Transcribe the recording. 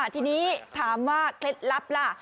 ทีนี้ถามว่าเคล็ดลับล่ะ